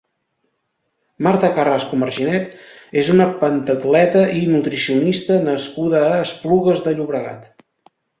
Marta Carrasco Marginet és una pentatleta i nutricionista nascuda a Esplugues de Llobregat.